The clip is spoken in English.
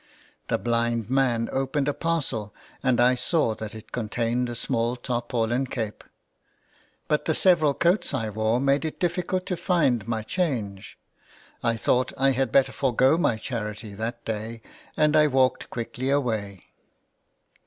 The blind man opened a parcel and I saw that it contained a small tarpaulin cape. But the several coats I wore made it difficult to find my change ; I thought I had better forego my charity that day, and I walked quickly away.